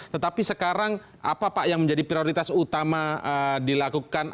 tetapi sekarang apa pak yang menjadi prioritas utama dilakukan